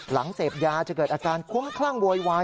เสพยาจะเกิดอาการคุ้มคลั่งโวยวาย